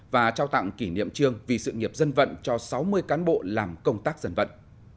và trao tặng kỷ niệm trương vì sự nghiệp dân vận cho sáu mươi cán bộ làm công tác dân vận